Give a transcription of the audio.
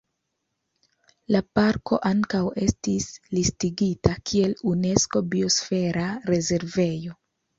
La parko ankaŭ estis listigita kiel Unesko Biosfera Rezervejo.